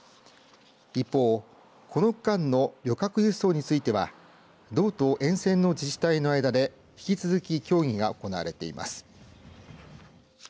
一方この区間の旅客輸送については道と沿線の自治体の間で引き続き協議が行われています。